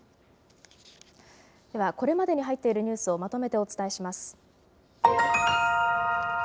ではこれまでに入っているニュースをまとめてお伝えします。